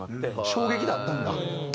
衝撃だったんだ。